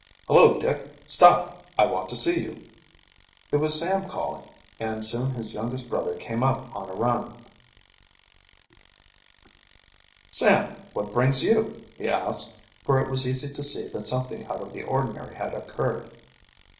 "Hullo, Dick, stop! I want to see you." It was Sam calling, and soon his youngest brother came up on a run. "Sam, what brings you?" he asked, for it was easy to see that something out of the ordinary had occurred.